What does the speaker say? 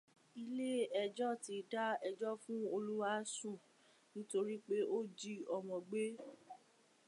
Ilé ẹjọ́ ti da ẹjọ́ fún Olúwáṣun nítorí pé ó jí ọmọ gbé